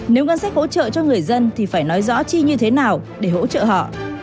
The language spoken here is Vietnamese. nếu ngân sách hỗ trợ cho người dân thì phải nói rõ chi như thế nào để hỗ trợ họ